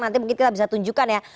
nanti mungkin kita bisa tunjukkan ya